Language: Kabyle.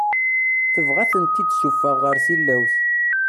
Tebɣa ad ten-id-tessuffeɣ ɣer tilawt.